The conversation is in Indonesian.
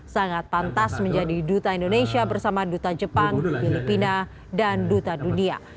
sangat pantas menjadi duta indonesia bersama duta jepang filipina dan duta dunia